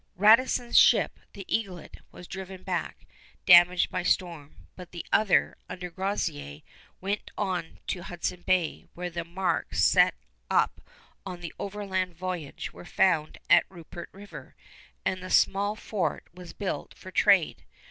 Radisson's ship, the Eaglet, was driven back, damaged by storm; but the other, under Groseillers, went on to Hudson Bay, where the marks set up on the overland voyage were found at Rupert River, and a small fort was built for trade.